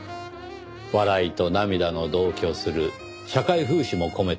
笑いと涙の同居する社会風刺も込めた愛の物語。